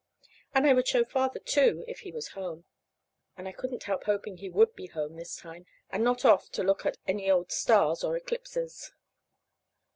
And I would show Father, too, if he was at home. And I couldn't help hoping he would be home this time, and not off to look at any old stars or eclipses.